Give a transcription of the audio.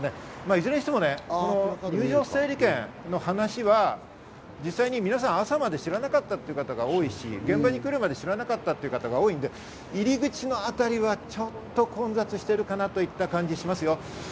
いずれにしても入場整理券の話は実際に皆さん、朝まで知らなかったという方が多いし、現場に来るまで知らなかった方が多いので、入り口のあたりはちょっと混雑しているかなという感じです。